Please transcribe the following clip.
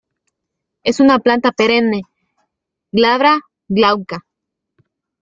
Es una planta perenne, glabra, glauca.